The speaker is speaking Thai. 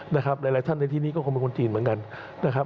หลายท่านในที่นี้ก็คงเป็นคนจีนเหมือนกันนะครับ